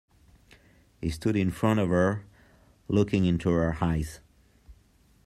He stood in front of her, looking into her eyes.